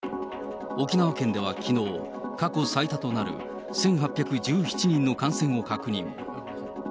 沖縄県ではきのう、過去最多となる、１８１７人の感染を確認。